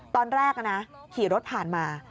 ตอนแรกนะขี่รถผ่านมา